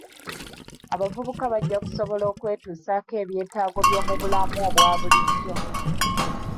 Abavubuka bajja kusobola okwetuusaako ebyetaago by'omu bulamu obwa bulijjo.